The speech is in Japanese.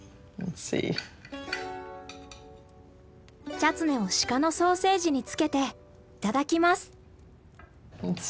チャツネをシカのソーセージにつけていただきます。